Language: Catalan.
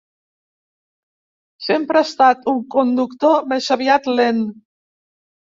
Sempre ha estat un conductor més aviat lent.